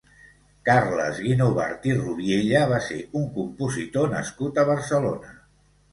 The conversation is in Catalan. Carles Guinovart i Rubiella va ser un compositor nascut a Barcelona.